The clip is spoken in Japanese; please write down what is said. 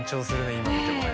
今見てもね。